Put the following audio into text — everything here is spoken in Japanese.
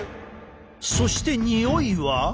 そしてにおいは？